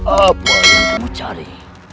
apa yang kamu cari